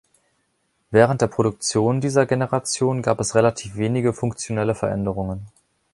Während der Produktion dieser Generation gab es relativ wenige funktionelle Veränderungen.